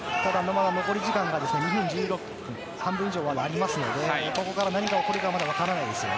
残り時間が半分以上ありますのでここから何が起こるかまだ分からないですよ。